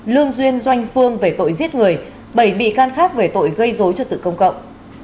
lương duyên doanh phương về tội giết người bảy bị can khác về tội gây dối trật tự công cộng